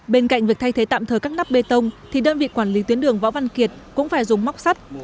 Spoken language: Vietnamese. bên cạnh việc thay thế tạm thời các nắp bê tông thì đơn vị quản lý tuyến đường võ văn kiệt cũng phải dùng móc sắt